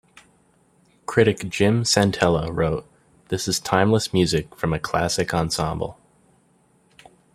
Critic Jim Santella wrote, This is timeless music from a classic ensemble.